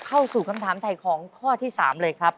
เข้าสู่คำถามถ่ายของข้อที่๓เลยครับ